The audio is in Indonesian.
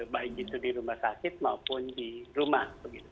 baik itu di rumah sakit maupun di rumah